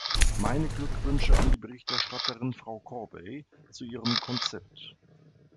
Meine Glückwünsche an die Berichterstatterin, Frau Corbey, zu ihrem Konzept.